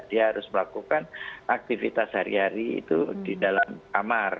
dia harus melakukan aktivitas hari hari itu di dalam kamar